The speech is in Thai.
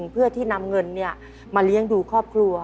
เพื่อที่นำเงินมาเลี้ยงดูครอบครัว